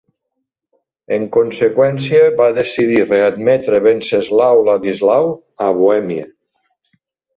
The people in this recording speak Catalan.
En conseqüència, va decidir readmetre Venceslau-Ladislau a Bohèmia.